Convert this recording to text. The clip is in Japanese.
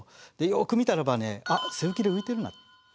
よく見たらばねあっ背浮きで浮いてるな。